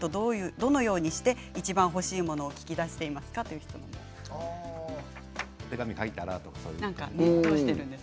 どのようにしていちばん欲しいものを聞き出していますかという質問です。